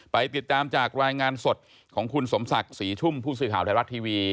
ไปติดตามจากรายงานสดของคุณสมศักดิ์ศรีชุ่มผู้สื่อข่าวไทยรัฐทีวี